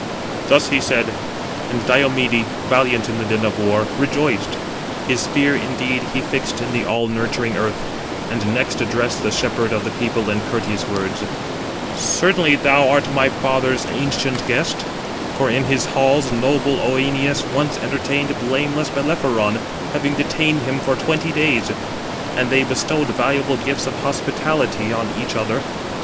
Thus he said: and Diomede, valiant in the din of war, rejoiced. His spear indeed he fixed in the all nurturing earth, and next addressed the shepherd of the people in courteous words: "Certainly thou art my father's ancient guest; for in his halls noble Œneus once entertained blameless Bellerophon, having detained him for twenty days; and they bestowed valuable gifts of hospitality on each other.